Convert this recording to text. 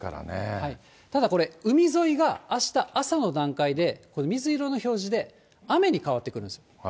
ただこれ、海沿いが、あした朝の段階で、水色の表示で、雨に変わってくるんですよ。